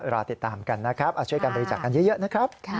รอติดตามกันนะครับช่วยกันบริจาคกันเยอะนะครับ